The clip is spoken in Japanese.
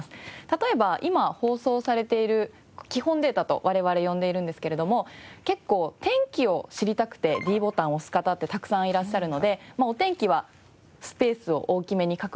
例えば今放送されている基本データと我々呼んでいるんですけれども結構天気を知りたくてｄボタンを押す方ってたくさんいらっしゃるのでお天気はスペースを大きめに確保してしっかり表示してみようとか。